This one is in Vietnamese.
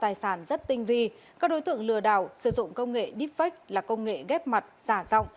tài sản rất tinh vi các đối tượng lừa đảo sử dụng công nghệ deepfake là công nghệ ghép mặt giả rộng